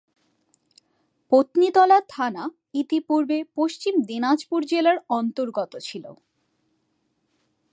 পত্নীতলা থানা ইতিপূর্বে পশ্চিম দিনাজপুর জেলার অন্তর্গত ছিল।